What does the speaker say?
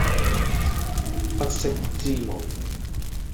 不識之無